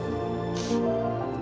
aku harus bertahan